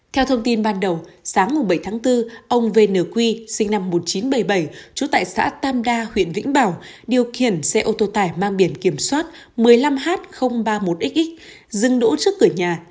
theo thông tin ban đầu sáng bảy tháng bốn ông vn quy sinh năm một nghìn chín trăm bảy mươi bảy trú tại xã tam đa huyện vĩnh bảo điều khiển xe ô tô tải mang biển kiểm soát một mươi năm h ba mươi một xx dừng đỗ trước cửa nhà